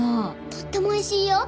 とってもおいしいよ！